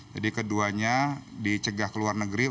jadi keduanya dicegah ke luar negeri